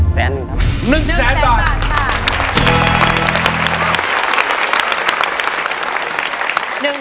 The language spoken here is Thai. ๑แสนบาทครับ